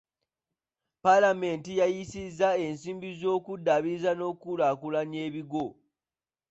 Paalamenti yayisizza ensimbi ez’okuddaabiriza n’okukulaakulanya ebigo.